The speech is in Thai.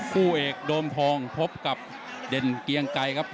คู่เอกโดมทองพบกับเด่นเกียงไกรครับ